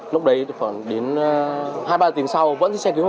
lúc đấy tôi còn đến hai ba tiếng sau vẫn thấy xe cứu hỏa